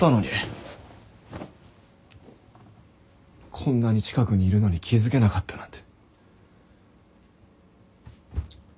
こんなに近くにいるのに気づけなかったなんて。